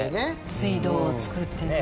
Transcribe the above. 水道を作ってね。